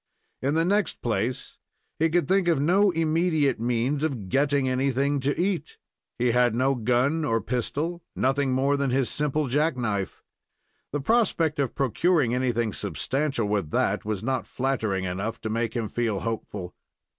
In the next place, he could think of no immediate means of getting anything to eat. He had no gun or pistol nothing more than his simple jack knife. The prospect of procuring anything substantial with that was not flattering enough to make him feel hopeful.